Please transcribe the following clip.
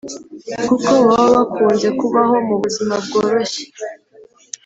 kuko baba bakunze kubaho mu buzima bworoshye